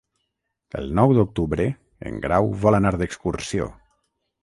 El nou d'octubre en Grau vol anar d'excursió.